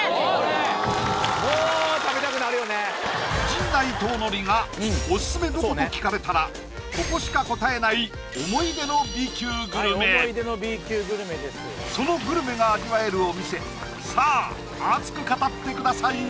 陣内智則がオススメどこ？と聞かれたらここしか答えない思い出のＢ級グルメそのグルメが味わえるお店さあ熱く語ってください！